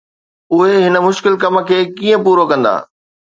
اهي هن مشڪل ڪم کي ڪيئن پورو ڪندا؟